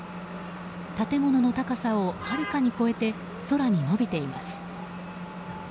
建物の高さをはるかに超えて空に伸びています。